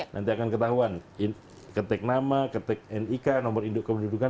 nanti akan ketahuan ketik nama ketik nik nomor induk kependudukan